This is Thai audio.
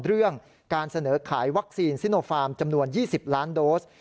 เรื่องการเสนอขายวัคซีนซิโนฟาร์มจำนวน๒๐ล้านโดส